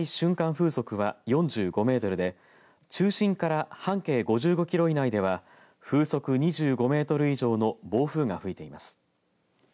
風速は４５メートルで中心から半径５５キロ以内では風速２５メートル以上の暴風が吹いています。